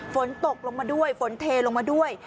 ฝนตกลงมาด้วยฝนเทลงมาด้วย